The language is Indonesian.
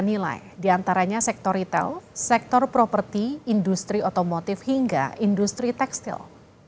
dan nilai diantaranya sektor ritel sektor properti industri otomotif hingga industri tekstil